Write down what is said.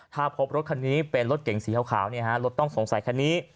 ถ้าพบลดคันนี้เป็นรถเก่งสีขาวเนี่ยฮะลดต้องสงสัยคันนี้